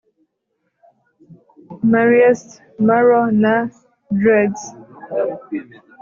merriest marrow na dregs